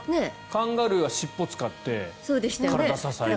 カンガルーは尻尾使って体を支えて。